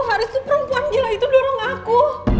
haris tuh perempuan gila itu dorong aku